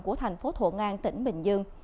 của thành phố thuận an tỉnh bình dương